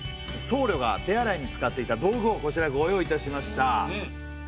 僧侶が手洗いに使っていた道具をこちらご用意いたしました。